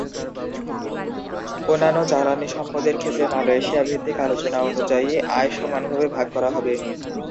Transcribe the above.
অন্যান্য জ্বালানি সম্পদের ক্ষেত্রে, মালয়েশিয়া-ভিত্তিক আলোচনা অনুযায়ী আয় সমানভাবে ভাগ করা হবে।